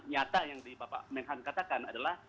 nyata yang bapak menhan katakan adalah